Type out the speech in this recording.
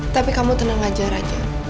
tapi kamu tenang aja raja